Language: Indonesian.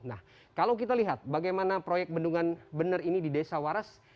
nah kalau kita lihat bagaimana proyek bendungan bener ini di desa waras